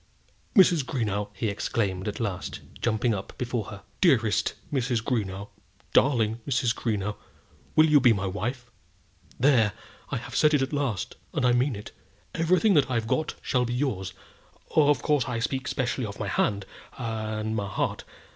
"Mrs. Greenow," he exclaimed at last, jumping up before her; "dearest Mrs. Greenow; darling Mrs. Greenow, will you be my wife? There! I have said it at last, and I mean it. Everything that I've got shall be yours. Of course I speak specially of my hand and heart.